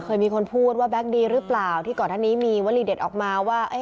เคยมีคนพูดว่าแบ็คดีหรือเปล่าที่ก่อนหน้านี้มีวลีเด็ดออกมาว่า